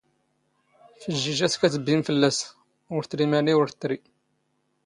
ⴼⵊⵊⵉⵊⴰⵜ ⴽⴰ ⵜⴱⴱⵉⵎ ⴼⵍⵍⴰⵙ ⵓⵔ ⵜⵔⵉ ⵎⴰⵏⵉ ⵓⵔ ⵜ ⵜⵔⵉ.